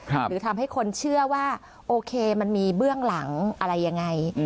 หรือทำให้คนเชื่อว่าโอเคมันมีเบื้องหลังอะไรยังไง